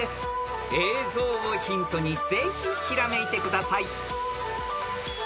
［映像をヒントにぜひひらめいてください］